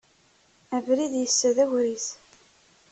Abrid yessa d agris.